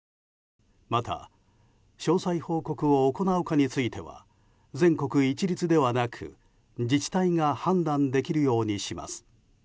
また、詳細報告を行うかについては全国一律ではなく、自治体が判断できるようにします。